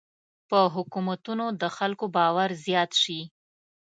په حکومتونو د خلکو باور زیات شي.